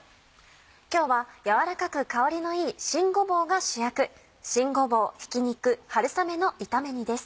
今日はやわらかく香りのいい新ごぼうが主役「新ごぼうひき肉春雨の炒め煮」です。